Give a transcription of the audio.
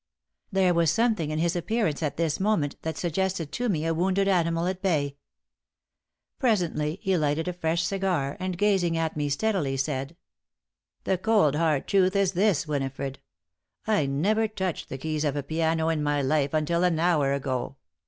There was something in his appearance at this moment that suggested to me a wounded animal at bay. Presently he lighted a fresh cigar, and gazing at me steadily, said: "The cold, hard truth is this, Winifred: I never touched the keys of a piano in my life until an hour ago.